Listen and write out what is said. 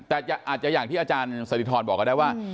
แต่อาจจะอย่างที่อาจารย์สถิธรบอกก็ได้ว่า